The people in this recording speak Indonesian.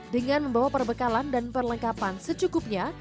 dengan membawa perbekalan dan perlengkapan secukupnya